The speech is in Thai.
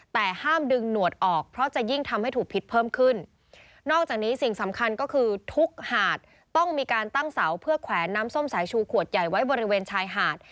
แต่ห้ามดึงหนวดออกเพราะจะยิ่งทำให้ถูกพิษเพิ่มขึ้นนอกจากนี้สิ่งสำคัญก็คือทุกหาดต้องมีการตั้งเสาเพื่อแขวนน้ำส้มสายชูขวดใหญ่ไว้บริเวณชายหาด